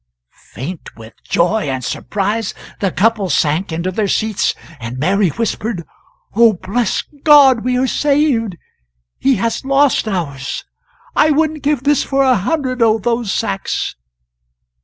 Faint with joy and surprise, the couple sank into their seats, and Mary whispered: "Oh, bless God, we are saved! he has lost ours I wouldn't give this for a hundred of those sacks!"